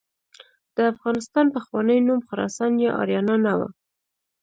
د افغانستان پخوانی نوم خراسان یا آریانا نه و.